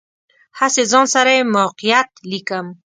هسې ځان سره یې موقعیت لیکم.